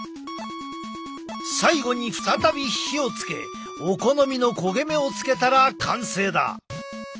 最後に再び火をつけお好みの焦げ目をつけたら完成だ！